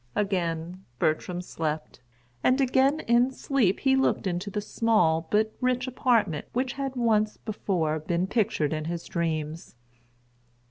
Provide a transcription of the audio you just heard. Again Bertram slept, and again in sleep he looked into the small, but rich apartment which had once before been pictured in his dreams.